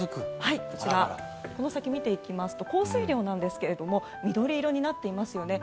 こちら、この先見ていきますと降水量なんですが緑色になっていますよね。